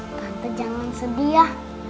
tante jangan sedih ya